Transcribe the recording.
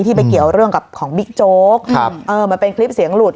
ไปเกี่ยวเรื่องกับของบิ๊กโจ๊กครับเออมันเป็นคลิปเสียงหลุด